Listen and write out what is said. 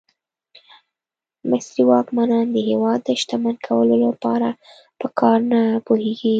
مصري واکمنان د هېواد د شتمن کولو لپاره په کار نه پوهېږي.